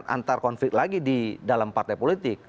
antar konflik lagi di dalam partai politik